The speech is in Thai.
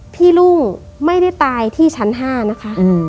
ลุงไม่ได้ตายที่ชั้น๕นะคะ